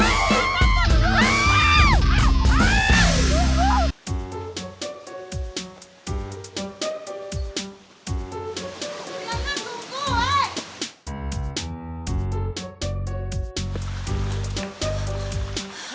adriana tunggu eh